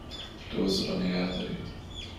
دزد را نگهدارید!